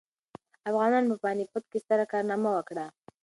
افغانانو په پاني پت کې ستره کارنامه وکړه.